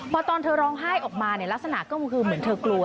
พอตอนเธอร้องไห้ออกมาเนี่ยลักษณะก็คือเหมือนเธอกลัว